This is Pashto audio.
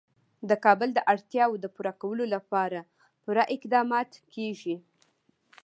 د کابل د اړتیاوو پوره کولو لپاره پوره اقدامات کېږي.